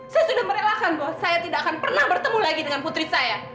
saya sudah merelakan bahwa saya tidak akan pernah bertemu lagi dengan putri saya